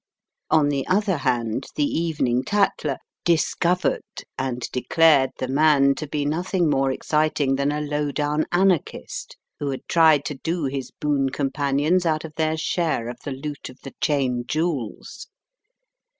On the other hand, the Evening Taller "dis covered" and declared the man to be nothing more exciting than a low down anarchist, who had tried to do his boon companions out of their share of the loot of the Cheyne jewels.